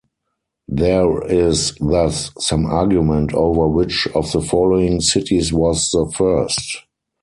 There is thus some argument over which of the following cities was the first.